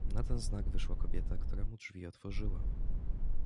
"Na ten znak wyszła kobieta, która mu drzwi otworzyła."